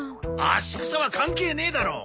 足くさは関係ねえだろ！